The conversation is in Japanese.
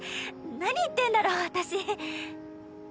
何言ってんだろ私。